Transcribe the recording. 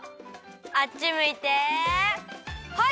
あっちむいてホイ！